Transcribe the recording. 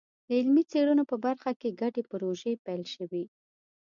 د علمي څېړنو په برخه کې ګډې پروژې پیل شوي.